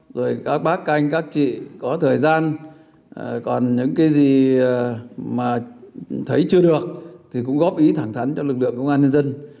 rồi các bác các anh các chị có thời gian còn những cái gì mà thấy chưa được thì cũng góp ý thẳng thắn cho lực lượng công an nhân dân